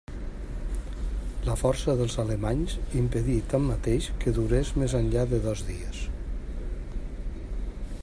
La força dels alemanys impedí tanmateix que durés més enllà de dos dies.